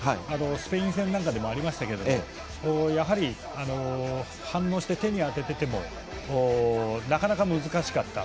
スペイン戦でもありましたが反応して手に当ててもなかなか難しかった。